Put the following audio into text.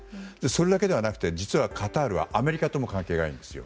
それだけではなくて実はカタールはアメリカとも関係がいいんです。